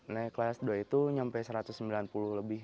naik kelas dua itu nyampe satu ratus sembilan puluh lebih